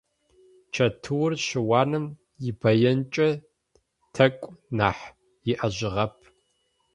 Чэтыур щыуаным ибзэенкӏэ тэкӏу нахь иӏэжьыгъэп.